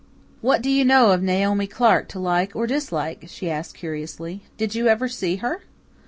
"What do you know of Naomi Clark to like or dislike?" she asked curiously. "Did you ever see her?"